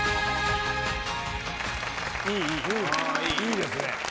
いいですね。